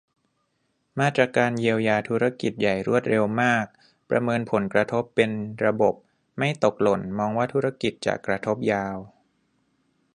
มาตรการเยียวยาธุรกิจใหญ่รวดเร็วมาก ประเมินผลกระทบเป็นระบบ ไม่ตกหล่น มองว่าธุรกิจจะกระทบยาว